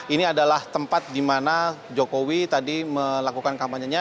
ini adalah tempat di mana jokowi tadi melakukan kampanye nya